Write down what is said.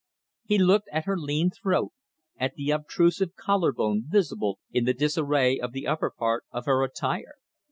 He looked at her lean throat, at the obtrusive collarbone visible in the disarray of the upper part of her attire.